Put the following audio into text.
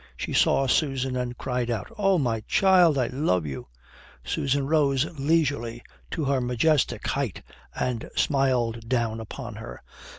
She saw Susan and cried out, "Oh, my child, I love you." Susan rose leisurely to her majestic height and smiled down upon her.